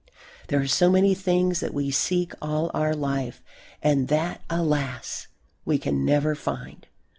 There are so many things that we seek all our life and that, alas! we can never find.